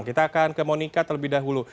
kita akan ke monika terlebih dahulu